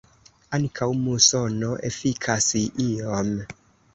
Ankaŭ musono efikas iom.